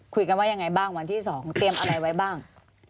คุยกันว่ายังไงบ้างวันที่๒เตรียมอะไรไว้บ้าง